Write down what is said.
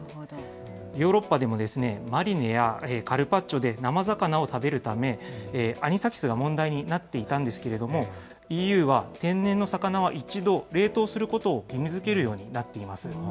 ヨーロッパでもマリネやカルパッチョで生魚を食べるため、アニサキスが問題になっていたんですけれども、ＥＵは、天然の魚は一度、冷凍することを義務づけるようになっています。